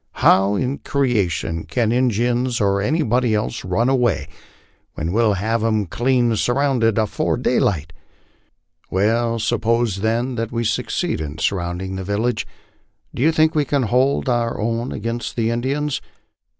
How in creation can Injuns or anybody else run away when we'll have 'em clean surrounded afore daylight? " "Well, suppose then that we succeed in surrounding the village, do you think we can hold our own against the Indians?"